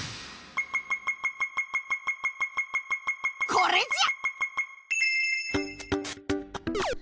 これじゃ！